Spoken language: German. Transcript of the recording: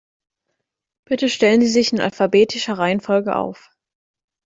Bitte stellen Sie sich in alphabetischer Reihenfolge auf.